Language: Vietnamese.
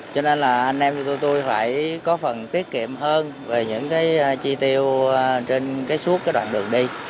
cho nên là anh em như tụi tôi phải có phần tiết kiệm hơn về những cái chi tiêu trên cái suốt cái đoạn đường đi